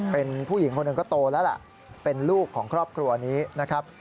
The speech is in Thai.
เป็นผู้หญิงคนหนึ่งก็โตแล้วล่ะเป็นลูกของครอบครัวนี้นะครับ